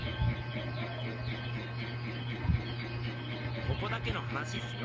ここだけの話っすよ。